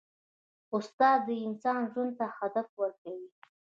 استاد د انسان ژوند ته هدف ورکوي.